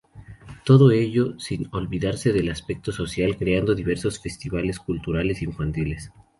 Todo ello sin olvidarse del aspecto social creando diversos festivales culturales infantiles.